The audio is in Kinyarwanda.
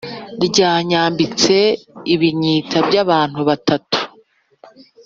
Ryanyambitse ibinyita by'abantu batatu